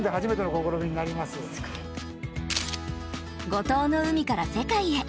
五島の海から世界へ。